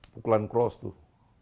pukulan cross tuh